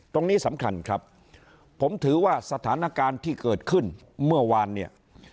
ตรงนี้สำคัญครับผมถือว่าสถานการณ์ที่เกิดขึ้นเมื่อวานเนี่ย